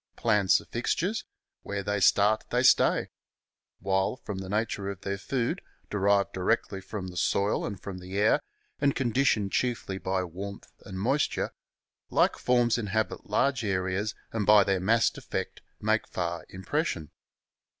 Plants are fixtures; where they start they stay; while from the nature of their food, derived directly from the soil and from the air, and conditioned chiefly by warmth and moisture, like forms inhabit large areas and by their massed effect make far impression.